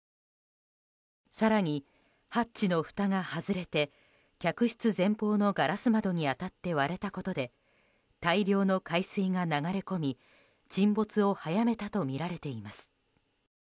更に、ハッチのふたが外れて客室前方のガラス窓に当たって割れたことで大量の海水が流れ込み沈没を早めたとみられています。